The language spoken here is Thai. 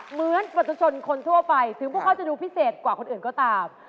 เหมือนปฏิชนคนทั่วไปถึงพวกเขาจะดูพิเศษกว่าคนอื่นก็ตาม